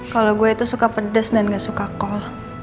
kalau gue itu suka pedes dan gak suka kol